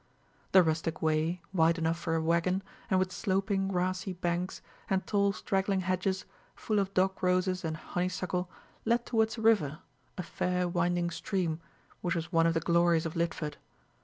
The rustic way, wide enough for a wagon, and with sloping grassy banks, and tall straggling hedges, full of dog roses and honeysuckle, led towards a river a fair winding stream, which was one of the glories of Lidford.